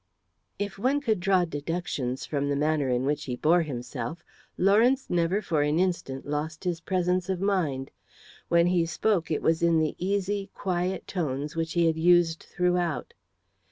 If one could draw deductions from the manner in which he bore himself, Lawrence never for an instant lost his presence of mind. When he spoke it was in the easy, quiet tones which he had used throughout.